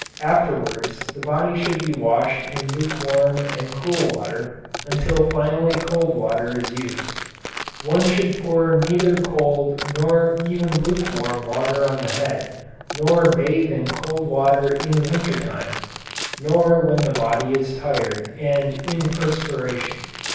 Afterwards the body should be washed in lukewarm and cool water until finally cold water is used. One should pour neither cold nor even lukewarm water on the head, nor bathe in cold water in the winter time, nor when the body is tired and in perspiration.